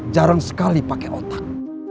jarang sekali pakai otak